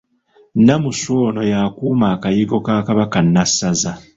Nnamusu Ono y’akuuma Akayigo ka Kabaka Nnassaza.